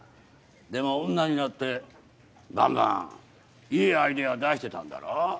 でも女になってバンバンいいアイデア出してたんだろう？